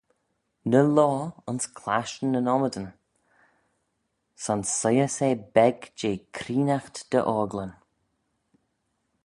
Ny loayr ayns clashtyn yn ommydan: son soie-ys eh beg jeh creenaght dty ocklyn.